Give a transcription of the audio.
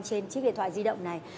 trên chiếc điện thoại di động này